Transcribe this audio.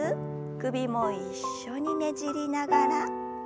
首も一緒にねじりながら。